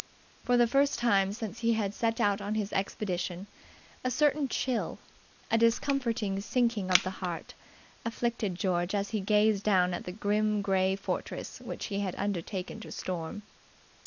For the first time since he had set out on his expedition, a certain chill, a discomforting sinking of the heart, afflicted George as he gazed down at the grim grey fortress which he had undertaken to storm.